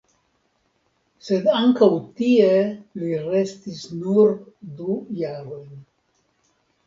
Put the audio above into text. Sed ankaŭ tie li restis nur du jarojn.